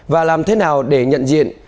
và làm thế nào để nhận diện